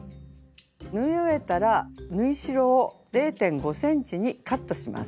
縫い終えたら縫い代を０．５ｃｍにカットします。